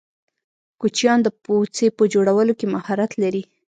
کوچیان د پوڅې په جوړولو کی مهارت لرې.